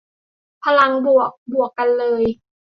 พลังบวก บวกกันเลย